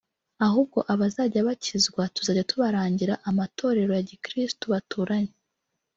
ahubwo abazajya bakizwa tuzajya tubarangira amatorero ya Gikirisitu baturanye